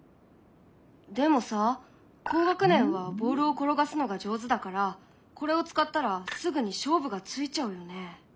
でもさ高学年はボールを転がすのが上手だからこれを使ったらすぐに勝負がついちゃうよね？